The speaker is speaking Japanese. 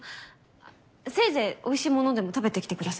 あっせいぜいおいしいものでも食べてきてください。